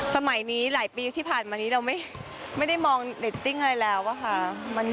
สมัยนี้หลายปีที่ผ่านมานี้เราไม่ได้มองเรตติ้งอะไรแล้วอะค่ะ